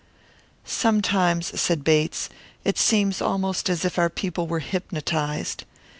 "Sometimes," said Bates, "it seems almost as if our people were hypnotised.